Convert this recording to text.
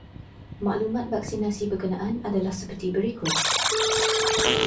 Maklumat vaksinasi berkenaan adalah seperti berikut.